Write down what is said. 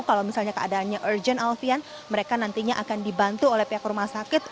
kalau misalnya keadaannya urgent alfian mereka nantinya akan dibantu oleh pihak rumah sakit